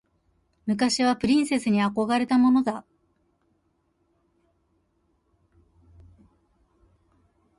昔はプリンセスに憧れたものだ。